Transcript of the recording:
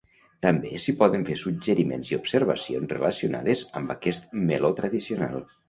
També s’hi poden fer suggeriments i observacions relacionades amb aquest meló tradicional.